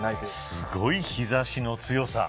すごい日差しの強さ。